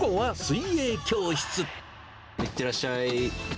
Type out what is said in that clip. いってらっしゃい。